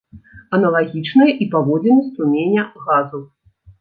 Аналагічныя і паводзіны струменя газу.